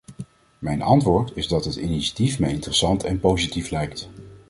Mijn antwoord is dat het initiatief mij interessant en positief lijkt.